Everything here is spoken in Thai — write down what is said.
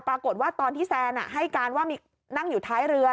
ปรากฏว่าตอนที่แซนให้การว่านั่งอยู่ท้ายเรือ